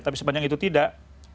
tapi sepanjang itu tidak